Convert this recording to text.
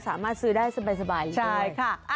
สามารถซื้อได้สบายเลย